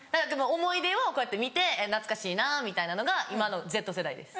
思い出をこうやって見て「懐かしいな」みたいなのが今のＺ世代です。